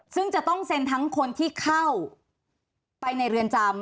ซึ่งจะต้องเซ็นทั้งคนที่เข้าไปในเรือนจำ